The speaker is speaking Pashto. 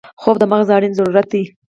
خوب د مغز اړین ضرورت دی